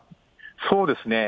そうですね。